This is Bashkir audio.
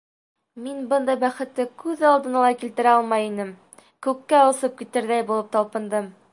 Мин бындай бәхетте күҙ алдына ла килтерә алмай инем, күккә осоп китерҙәй булып талпындым.